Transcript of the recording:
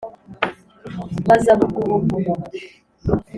baza bugubugu